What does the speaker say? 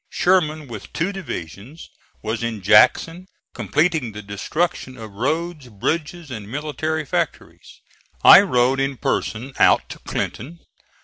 Sherman with two divisions, was in Jackson, completing the destruction of roads, bridges and military factories. I rode in person out to Clinton.